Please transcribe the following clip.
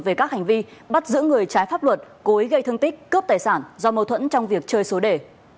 về các hành vi bắt giữ người trái pháp luật cố ý gây thương tích cướp tài sản do mâu thuẫn trong việc chơi số đề